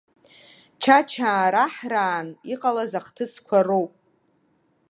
Чачаа раҳраан иҟалаз ахҭысқәа роуп.